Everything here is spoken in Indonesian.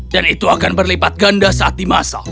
dan itu akan berlipat ganda saat dimasak